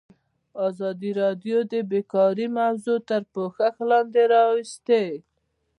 ازادي راډیو د بیکاري موضوع تر پوښښ لاندې راوستې.